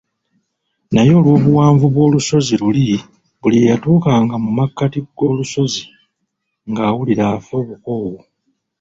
Naye olw'obuwanvu bw’olusozi luli buli eyatuukanga mu makkati g'olusozi ng'awulira afa obukoowu.